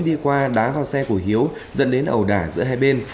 đi qua đá vào xe của hiếu dẫn đến ẩu đả giữa hai bên